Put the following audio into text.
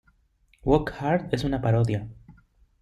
Walk Hard es una parodia.